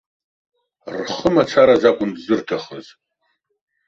Рхы мацараз акәын дзырҭахыз.